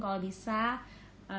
kalau bisa kita lihat